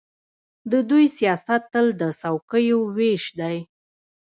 د دوی سیاست تل د څوکۍو وېش دی.